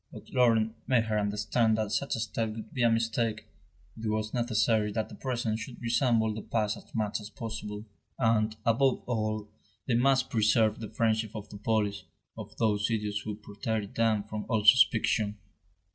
But Laurent made her understand that such a step would be a mistake; it was necessary that the present should resemble the past as much as possible; and, above all, they must preserve the friendship of the police, of those idiots who protected them from all suspicion.